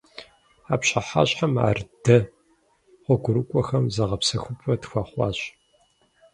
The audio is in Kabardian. А пщыхьэщхьэм ар дэ, гъуэгурыкIуэхэм, зыгъэпсэхупIэ тхуэхъуащ.